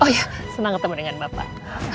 oh ya senang ketemu dengan bapak